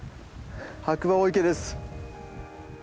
白馬大池です。